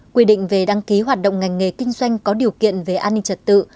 quy định về đăng ký hoạt động ngành nghề kinh doanh có điều kiện về an ninh trật tự